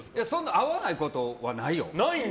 合わないことはないよ。